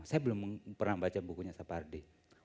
saya belum pernah baca bukunya sapardi